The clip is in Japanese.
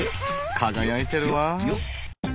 輝いてるわ！